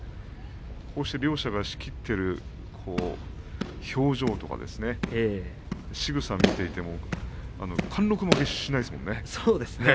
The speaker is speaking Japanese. こうして両者が仕切っている表情とかしぐさを見ていても貫禄負けしないですものね。